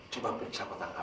coba periksa kotak amal